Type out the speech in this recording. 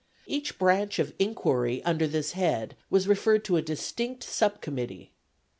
Each branch of "inquiry" under this head was referred to a distinct sub committee.